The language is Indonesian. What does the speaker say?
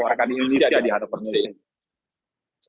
mereka ingin tahu apa saja yang ditawarkan indonesia